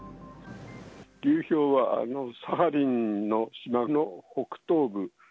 流氷はサハリンの島の北東部。